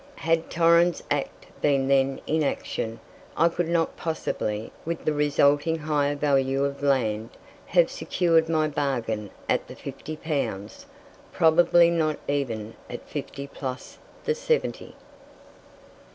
Had Torrens's Act been then in action, I could not possibly, with the resulting higher value of land, have secured my bargain at the fifty pounds, probably not even at fifty plus the seventy.